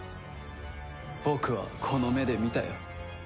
僕はこの目で見たよ。